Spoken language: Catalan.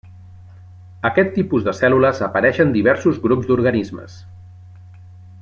Aquest tipus de cèl·lules apareix en diversos grups d'organismes.